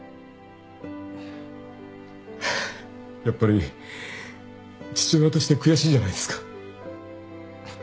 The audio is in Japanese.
やっぱり父親として悔しいじゃないですか。